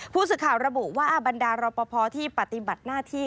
ผู้สื่อข่าวระบุว่าบรรดารอปภที่ปฏิบัติหน้าที่